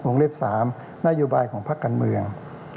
องค์เล็ก๓นายุบายของพระกันเมือง